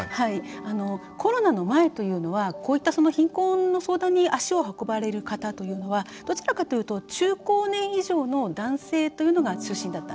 コロナの前というのはこういった貧困の相談に足を運ばれる方というのはどちらかというと中高年以上の男性というのが中心だったんですね。